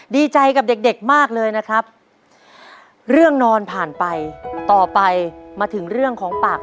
ดีใจกับเด็กเด็กมากเลยนะครับเรื่องนอนผ่านไปต่อไปมาถึงเรื่องของปาก